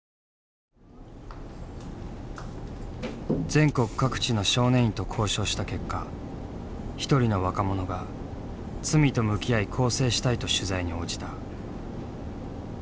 全国各地の少年院と交渉した結果一人の若者が罪と向き合い更生したいと取材に応じた。